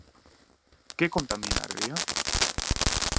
Que contamina a ría?